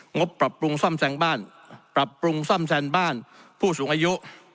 งบปรับปรุงซ่อมแซนบ้านผู้สูงอายุ